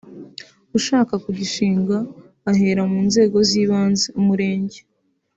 ushaka kugishinga ahera mu nzego z’ibanze (Umurenge